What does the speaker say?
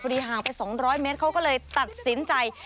ห่างไป๒๐๐เมตรเขาก็เลยตัดสินใจ